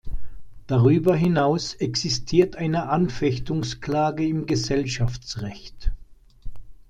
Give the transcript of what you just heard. Darüber hinaus existiert eine Anfechtungsklage im Gesellschaftsrecht.